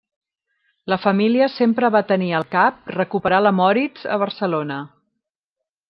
La família sempre va tenir al cap recuperar la Moritz a Barcelona.